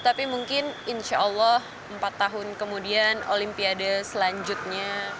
tapi mungkin insya allah empat tahun kemudian olimpiade selanjutnya